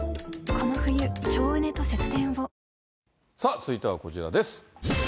続いてはこちらです。